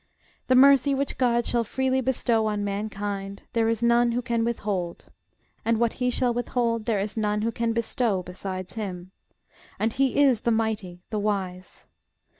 The mercy which GOD shall freely bestow on mankind, there is none who can withhold; and what he shall withhold, there is none who can bestow, besides him: and he is the mighty, the wise.